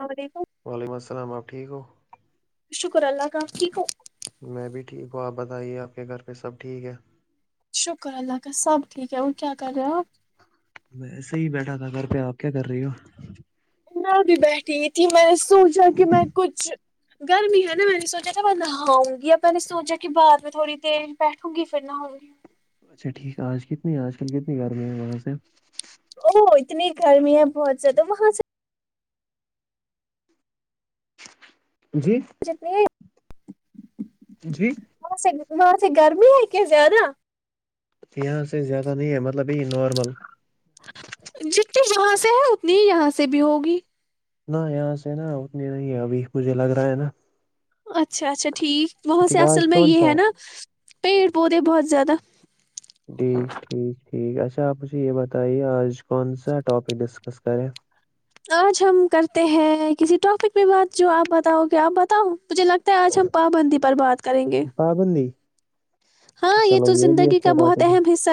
اور ایک وعلیکم السلام آپ ٹھیک ہو شکر اللہ کام ٹھیک ہو میں بھی ٹھیک ہوں آپ بتائیے آپ کے گھر پہ سب ٹھیک ہے شکر اللہ کا سب ٹھیک ہے اور کیا کر رہے ہو آپ پ آ کیا کر رہی ہو نہ بھی بیٹھی تھی میں سوچا کہ میں کچھ گرمی ہے نا میں نے سوچا تھا میں نہاؤں گی پہ نے سوچا کہ بعد میں تھوڑی دیر بیٹھوں گی پھر نہ ہوؤ گی اچھا ٹھیک آج کتنی آج کل کتنی گرمی ہے وہاں سے او اتنی گرمی ہے بہت زیادہ وہاں سے جی سے جتنی ہے جی وہاں سے وہاں سے گرمی ہے کیا زیادہ یہاں سے زیادہ نہیں ہے مطلب بی نارمل جاں سے ہے اتنی ہی یہاں سے بھی ہوگی نہ یہاں سے نا اتنی نہیں ہے ابھی مجھے لگ رہا ہے نا اچھا اچھا ٹھیک وہاں سے ٹھیک اصل آج میں کون یہ ہے سا نا پیڑ پودے بہت زیادہ ٹھیک ٹھیک ٹھیک اچھا آپ مجھے یہ بتائیے آج کون سا ٹاپک ڈسکس کریں آج ہم کرتے ہیں کسی ٹاپک میں بات جو آپ بتاؤ گے آپ بتاؤ مجھے لگتا ہے آج ہم پابندی پر بات کریں گے پابندی ہاں چلو تو یہ بھی زندگی اچھا کا بہت ٹاپک ہے اہم حصہ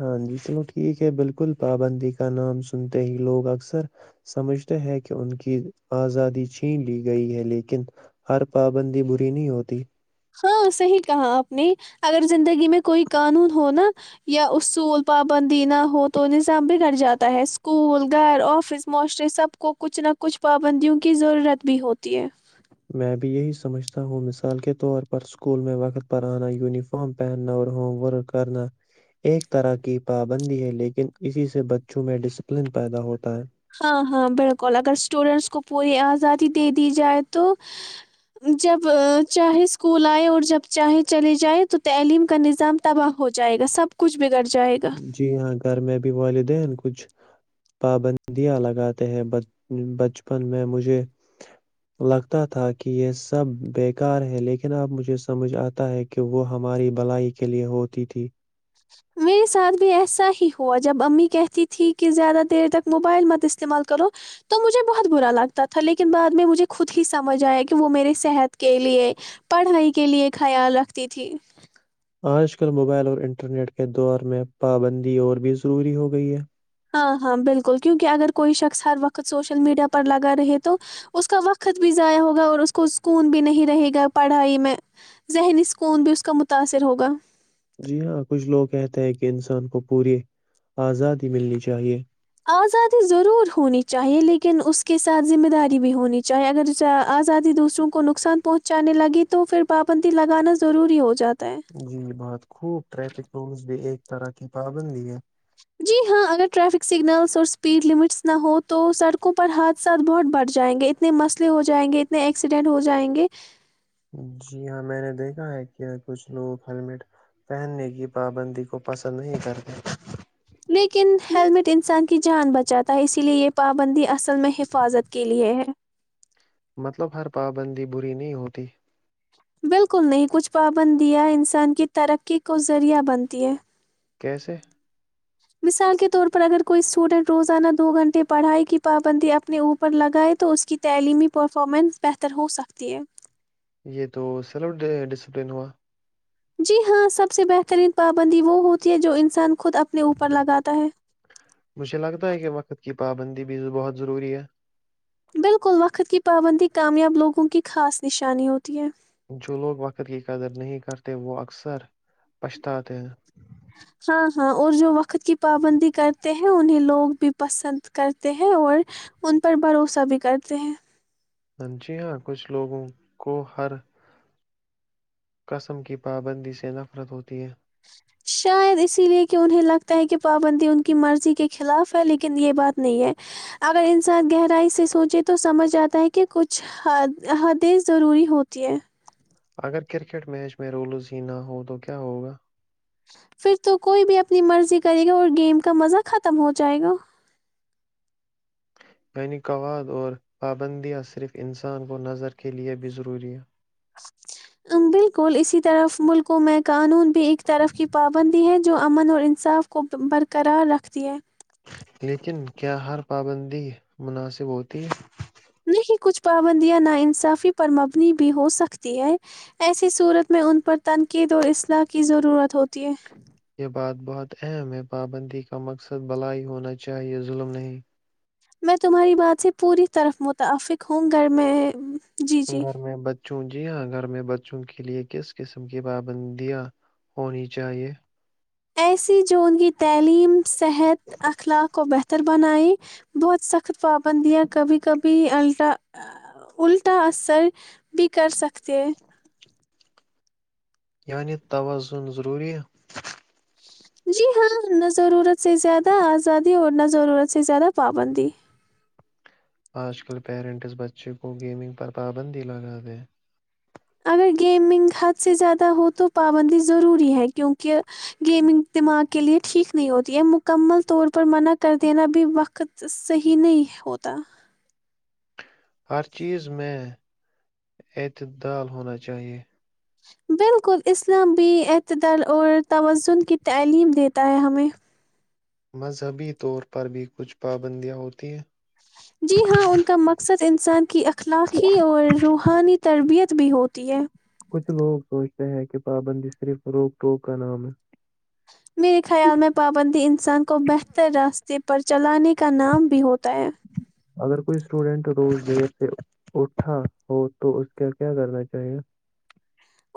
ہاں جی چلو ٹھیک ہے بالکل پابندی کا نام سنتے ہی لوگ اکثر سمجھتے ہیں کہ ان کی آزادی چھین لی گئی ہے لیکن ہر پابندی بری نہیں ہوتی ہاں صحیح کہا آپ نے اگر زندگی میں کوئی قانون ہوناا یا اصول پابندی نہ ہو تو نظام بگڑ جاتا ہے اسکول گھر آفس معاشرے سب کو کچھ نہ کچھ پابندیوں کی ضرورت بھی ہوتی ہے میں بھی یہی سمجھتا ہوں مثال کے طور پر اسکول میں وقت پر آنا یونیفارم پہننا اور ہوم ورک کرنا ایک طرح کی پابندی ہے لیکن اسی سے بچوں میں ڈسپلن پیدا ہوتا ہے ہاں ہاں بالکل اگر اسٹوڈینٹس کو پوری آزادی دے دی جائے تو جب چاہے اسکول آئے اور جب چاہے چلے جائے تو تعلیم کا نظام تباہ ہو جائے گا سب کچھ بگڑ جائے گا جی ہاں گھر میں بھی والدین کچھ پابندیاں لگاتے ہیں بچپن میں مجھے لگتا تھا کہ یہ سب بیکار ہے لیکن اب مجھے سمجھ آتا ہے کہ وہ ہماری بلائی کے لیے ہوتی تھی میرے ساتھ بھی ایسا ہی ہوا جب امی کہتی تھی کہ زیادہ دیر تک موبائل مت استعمال کرو تو مجھے بہت برا لگتا تھا لیکن بعد میں مجھے خود ہی سمجھ آیا کہ وہ میرے صحت کے لئے پڑھائی کے لئے خیال رکھتی تھی آج کل موبائل اور انٹرنیٹ کے دور میں پابندی اور بھی ضروری ہو گئی ہے ہاں ہاں بالکل کیوںکہ اگر کوئی شخص ہر وقت سوشل میڈیا پر لگا رہے تو اس کا وقت بھی ضائع ہوگا اور اس کو سکون بھی نہیں رہے گا پڑھائی میں ذہنی سکون بھی اس کا متاثر ہوگا جی ہاں کچھ لوگ کہتے ہیں کہ انسان کو پوری آزادی ملنی چاہیے آزادی ضرور ہونی چاہیے لیکن اس کے ساتھ ذمہ داری بھی ہونی چاہیے اگر آزادی دوسروں کو نقصان پہنچانے لگی تو پھر پابندی لگانا ضروری ہو جاتا ہے جی بات خوب ٹریفک رومس بھی ایک طرح کی پابندی ہے جی ہاں اگر ٹریفک سگنلس اور اسپیڈ لمٹس نہ ہو تو سڑکوں پر حادثات بہت بڑھ جائیں گے اتنے مسئلے ہو جائیں گے اتنے ایکسیڈینٹ ہو جائیں گے جی ہاں میں نے دیکھا ہے کہ کچھ لوگ ہیلمٹ پہننے کی پابندی کو پسند نہیں کرتے لیکن ہیلمٹ انسان کی جان بچاتا ہے اسی لیے یہ پابندی اصل میں حفاظت کے لیے ہے مطلب ہر پابندی بری نہیں ہوتی بالکل نہیں کچھ پابندیاں انسان کی ترقی کو ذریعہ بنتی ہے کیسے مثال کے طور پر اگر کوئی اسٹوڈنٹ روزانہ دو گھنٹے پڑھائی کی پابندی اپنے اوپر لگائے تو اس کی تعلیمی پرفارمنس بہتر ہوسکتی ہے یہ تو سیلف ڈسپلین ہوا جی ہاں سب سے بہترین پابندی وہ ہوتی ہے جو انسان کو خود اپنے اوپر لگاتا ہے بیو بہت ضروری ہے بالکل وقت کی پابندی کامیاب لوگوں کی خاص نشانی ہوتی ہے جو لوگ وقت کی قدر نہیں کرتے وہ اکثر پچھتاتے ہیں ہاں ہاں اور جو وقت کی پابندی کرتے ہیں انہیں لوگ بھی پسند کرتے ہیں اور ان پر بھروسہ بھی کرتے ہیں جی ہاں کچھ لوگوں کو ہر قسم کی پابندی سے نفرت ہوتی ہے شاید اسی لیے کہ انہیں لگتا ہے کہ پابندی ان کی مرضی کے خلاف ہے لیکن یہ بات نہیں ہے اگر انسان گہرائی سے سوچے تو سمجھ آتا ہے کہ کچھ حدیث ضروری ہوتی ہے اگر کرکٹ میچ میں رولز نہ ہو تو کیا ہوگا پھر تو کوئی بھی اپنی مرضی کرے گا اور گیم کا مزہ ختم ہو جائے گا یعنی قواد اور پابندیاں صرف انسان کو نظر کے لئے بھی ضروری ہے بالکل اسی طرف ملکوں میں قانون بھی ایک طرف کی پابندی ہے امن اور انصاف کو برقرار رکھتی ہے لیکن کیا ہر پابندی مناسب ہوتی ہے نہیں کچھ پابندیاں نا انصافی پر مبنی بھی ہو سکتی ہے ایسی صورت میں ان پر تنقید اور اصلاح کی ضرورت ہوتی ہے یہ بات بہت اہم ہے پابندی کا مقصد بھلائی ہونا چاہیے ظلم نہیں میں تمہاری بات سے پوری طرف متفق ہوں گھر میں جی جی گھر میں بچوں جی ہاں گھر میں بچوں کے لیے کس قسم کی پابندیاں ہونی چاہیے ایسی جو ان کی تعلیم صحت اخلاق کو بہتر بنائیں بہت سخت پابندیاں کبھی کبھی الٹا اثر بھی کرسکتے ہیں یعنی توازون ضروری جی ہاں نہ ضرورت سے زیادہ آزادی اور نہ ضرورت سے زیادہ پابندی آج کل پیرنٹس بچے کو گیمنگ پر پابندی لگا دیں اگر گیمنگ حد سے زیادہ ہو تو پابندی ضروری ہے کیونکہ گیمنگ دماغ کے لئے ٹھیک نہیں ہوتی ہے مکمل طور پر منع کر دینا بھی وقت صحیح نہیں ہوتا ہر چیز میں اعتدال ہونا چاہیئے بالکل اسلامی اعتدال ع توازن کی تعلیم دیتی تا ہے ہمیں مذہبی طور پر بھی کچھ پابندیاں ہوتی ہیں جی ہاں ان کا مقصد ان انسان کی ایک اخلاقی اور روحانی تربیت بھی ہوتی ہے کچھ لوگ سوچتے ہیں کہ پابندی صرف روک ٹوک کا نام ہے میرے خیال میں پابندی انسان کو بہتر راستے پر چلانے کا نام بھی ہوتا ہے اگر کوئی اسٹوڈینٹ روز دیر سے اٹھا ہو تو اس کا کیا کرنا چاہیے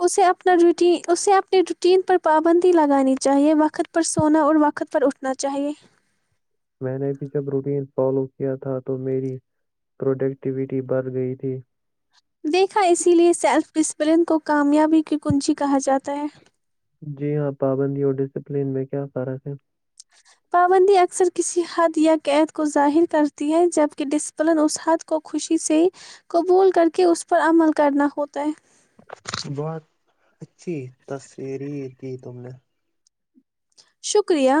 اسے اپنے روٹین پر پابندی لگانی چاہیئے وقت پر سونا اور وقت پر اٹھنا چاہیئے میں نے بھی جب روٹین فالو کیا تھا تو میری پروڈکٹیویٹی بڑھ گئی تھی بلند کو کامیابی کی کنجی کہا جاتا ہے جی ہاں پابندی اور ڈسپلین میں کیا فرق ہے کو ظاہر کر دیا ہے جبکہ ڈسپلن اس ہاتھ کو خوشی سے قبول کر کے اس پر عمل کرنا ہوتا ہے [inaudible] [inaudible] [inaudible] شکر شکریہ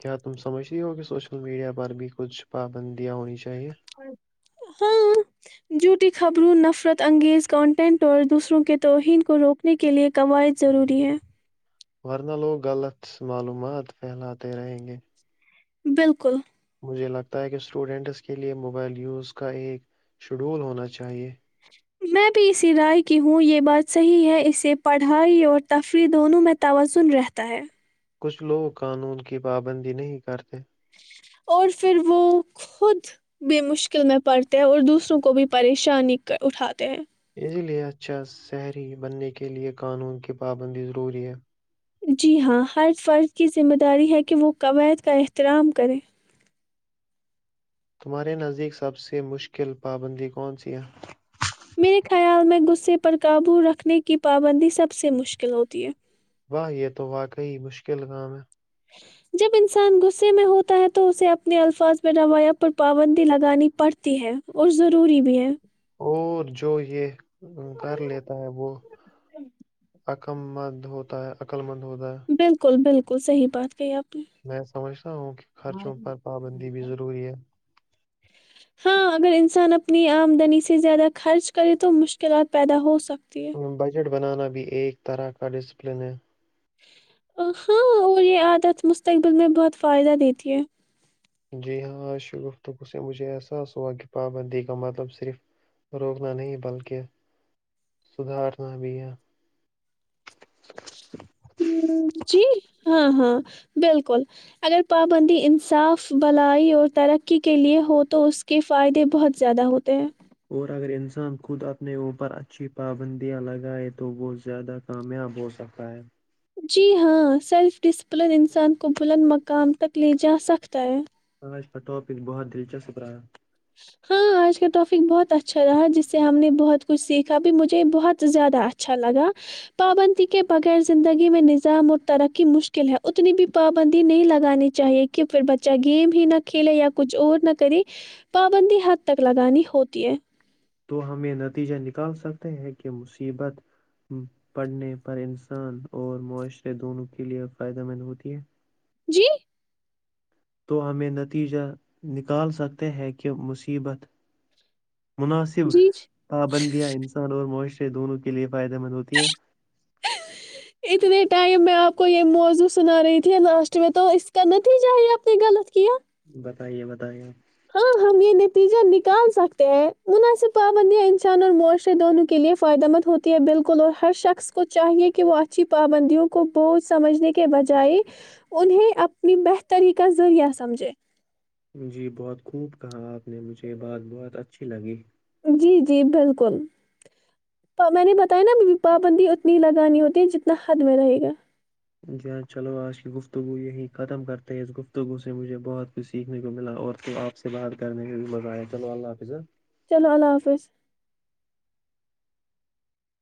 کیا تم سمجھتی ہو کہ سوشل میڈیا پر بھی کچھ پابندیاں ہونی چاہیے [inaudible] چھوٹی خبروں نفرت انگیز کانٹینٹ اور دوسروں کے توہین کو روکنے کے لئے قواعد ضروری ہیں [unintelligible] بالکل مجھے لگتا ہے کہ اسٹوڈینٹس کے لیے موبائل یوز کا ایک شیڈول ہونا چاہیے میں بھی اسی رائے کی ہوں یہ بات صحیح ہے اسے پڑھائی اور تفریح دونوں میں توازن رہتا ہے کچھ لوگ قانون کی پابندی نہیں کرتے اور پھر وہ خود بھی مشکل میں پڑتے ہیں اور دوسروں کو بھی پریشانی اٹھاتے ہیں اسی لے اچھا شہری بننے کے لیئے قانون کی پابندی ضروری ہے جی ہاں ہر فرد کی ذمہ داری ہے کہ وہ قواعد کا احترام کریں تمہارے نزدیک سب سے مشکل پابندی کون سی ہے میرے خیال میں غصے پر قابو رکھنے کی پابندی سب سے مشکل ہوتی ہے واہ یہ تو واقعی مشکل کام ہے جب انسان غصے میں ہوتا ہے تو اسے اپنے الفاظ میں روایت پر پابندی لگانی پڑتی ہے اور ضروری بھی ہے اور جو یہ کر لیتا ہے وہ مت ہوتا ہے ہوتا ہے بالکل بالکل کل صحیح بات کہی آپ نے۔ میں سمجھتا ہوں کہ خرچوں پر پابندی بھی ضروری ہے ہاں اگر انسان اپنی آمدنی سے زیادہ خرچ کرے تو مشکلات پیدا ہو سکتے [inaudible] بجٹ بنانا بھی ایک طرح کا ڈسپلن ہے ہاں اور یہ عادت مستقبل میں بہت فائدہ دیتی ہے جی ہاں آش گفتگو سے مجھے احساس ہوا کہ پابندی کا مطلب صرف روکنا نہیں بلکہ سدھارنا بھی ہے جی ہاں ہاں بالکل اگر پابندی انصاف بلائی اور ترقی کے لیئے ہو تو اس کے فائدے بہت زیادہ ہوتے ہیں اور اگر انسان خود اپنے اوپر اچھی پابندیاں لگائے تو وہ زیادہ کامیاب ہوسکتا ہے جی ہاں سیلف ڈسپلن انسان کو بلند مقام تک لے جا سکتا ہے اس کاٹاپک بہت دلچسپ رہا [unintelligible] ہاں آج کا ٹاپک بہت اچھا رہا جس سے ہم نے بہت کچھ سیکھا بھی مجھے بہت زیادہ اچھا لگا پابندی کے بغیر زندگی میں نظام اور ترقی مشکل ہے اتنی بھی پابندی نہیں لگانی چاہیے کہ پھر بچہ گیم ہی نہ کھیلے یا کچھ اور نہ کرے پابندی حد تک لگانی ہوتی ہے تو ہم یہ نتیجہ نکال سکتے ہیں کہ مصیبت پڑھنے پر انسان اور معاشرے دونوں کے لئے فائدہ مند ہوتی ہے جی تو ہمیں نتیجہ نکال سکتے ہیں کہ مصیبت مناسب جی جی پابندیاں انسان اور معاشر دونوں کے لیے فائدے مند ہوتی ہے اتنے ٹائم میں آپ کو یہ موضوع سنا رہی تھی لاسٹ میں تو اس کا نتیجہ ہی آپ نے غلط کیا بتائیے بتائیے ہاں ہم یہ نتیجہ نکال سکتے ہیں مناسب پابندیاں انسان اور معاشرے دونوں کے لیے فائدہ مند ہوتی ہے بالکل اور ہر شخص کو چاہیے کہ وہ اچھی پابندیوں کو بوجھ سمجھنے کے بجائے انہیں اپنی بہتری کا ذریعہ سمجھے جی بہت خوب کہا آپ نے مجھے یہ بات بہت اچھی لگی جی جی بالکل میں نے بتایا نا پابندی اتنی لگانی ہوتی ہے جتنا حد میں رہے گا جی ہاں چلو آج کی گفتگو یہی ختم کرتے ہیں اس گفتگو سے مجھے بہت کچھ سیکھنے کو ملا اور تو آپ سے بات کرنے کو بھی مہ آیا چل اللہ حاظ چلو اللہ حافظ